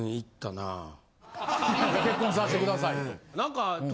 結婚させてくださいと。